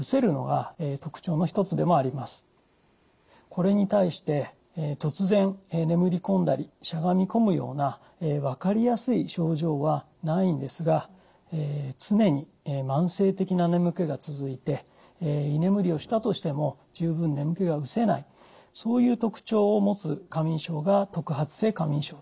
これに対して突然眠り込んだりしゃがみ込むような分かりやすい症状はないんですが常に慢性的な眠気が続いて居眠りをしたとしても十分眠気が失せないそういう特徴を持つ過眠症が特発性過眠症です。